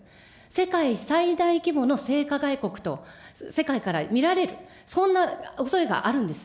世界最大規模の性加害国と世界から見られる、そんなおそれがあるんです。